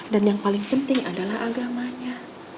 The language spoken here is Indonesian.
dan yang paling penting adalah agamanya